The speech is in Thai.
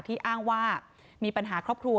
อ้างว่ามีปัญหาครอบครัว